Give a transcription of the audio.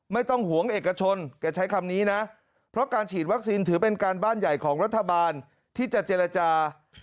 ห่วงเอกชนแกใช้คำนี้นะเพราะการฉีดวัคซีนถือเป็นการบ้านใหญ่ของรัฐบาลที่จะเจรจา